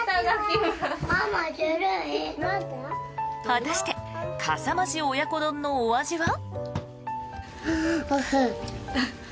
果たしてかさ増し親子丼のお味は？